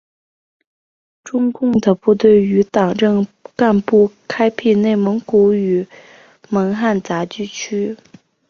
中共的部队与党政干部开辟内蒙古与蒙汉杂居区。